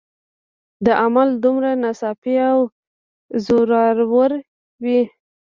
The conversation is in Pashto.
دا عمل دومره ناڅاپي او زوراور وي